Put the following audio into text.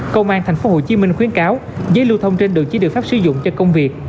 công an thành phố hồ chí minh khuyến cáo giấy lưu thông trên đường chỉ địa pháp sử dụng cho công việc